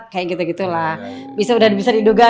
kayak gitu gitulah bisa udah bisa diduga